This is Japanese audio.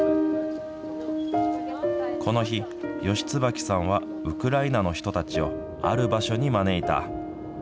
この日、吉椿さんはウクライナの人たちをある場所に招いた。